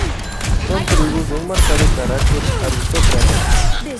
Son tribus de un marcado carácter aristócrata.